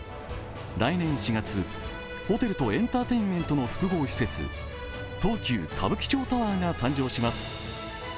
来年４月、ホテルとエンターテインメントの複合施設、東急歌舞伎町タワーが誕生します。